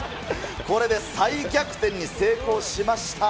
これで再逆転に成功しました。